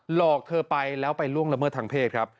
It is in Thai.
หลอกเธอไปแล้วไปล่วงละเมิดทางเพศครับ